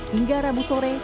hingga rabu sore